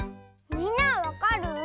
みんなはわかる？